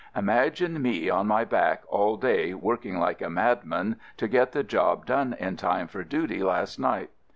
Imagine me on my back all day, working like a madman to get the job done in time for duty last night.